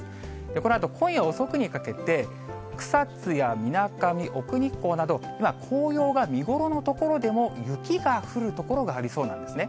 このあと、今夜遅くにかけて、草津やみなかみ、奥日光など、紅葉が見頃の所でも雪が降る所がありそうなんですね。